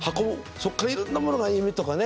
そこから、いろいろなものが夢とかね